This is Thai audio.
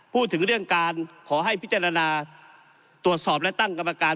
พูดถึงเรื่องการขอให้พิจารณาตรวจสอบและตั้งกรรมการ